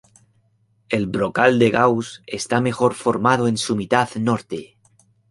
El brocal de Gauss está mejor formado en su mitad norte.